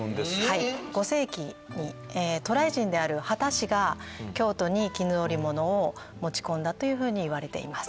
５世紀に渡来人である秦氏が京都に絹織物を持ち込んだというふうに言われています